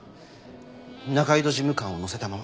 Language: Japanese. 仲井戸事務官を乗せたまま。